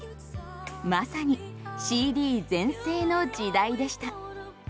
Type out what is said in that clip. まさにＣＤ全盛の時代でした。